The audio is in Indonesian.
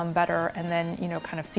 dan melihat lebih banyak pesakit